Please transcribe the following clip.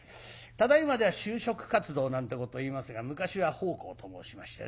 ただいまでは「就職活動」なんてことをいいますが昔は「奉公」と申しましてね